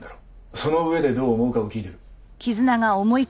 その上でどう思うかを聞いている。